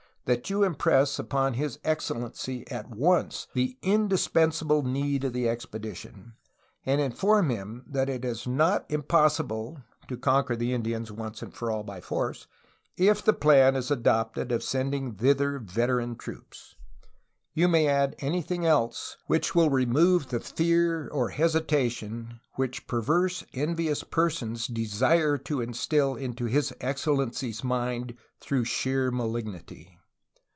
. that you im press upon His Excellency at once the indispensable need of the expedition ... and inform him that it is not impossible [to con quer the Indians once and for all by force], if the plan is adopted I 212 A HISTORY OF CALIFORNIA of sending thither veteran troops. You may add anything else which will remove the fear or hesitation which perverse envious persons desire to instil into His Excellency's mind through sheer malignity